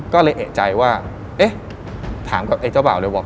ก็เลยเอกใจว่าเอ๊ะถามกับไอ้เจ้าบ่าวเลยบอก